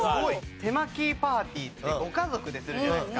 手巻きパーティーってご家族でするじゃないですか。